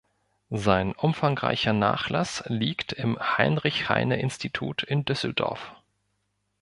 Sein umfangreicher Nachlass liegt im Heinrich-Heine-Institut in Düsseldorf.